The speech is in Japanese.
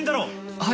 はい。